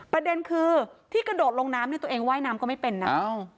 ประเด็นคือที่กระโดดลงน้ำเนี่ยตัวเองว่ายน้ำก็ไม่เป็นนะ